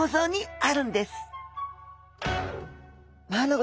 あ！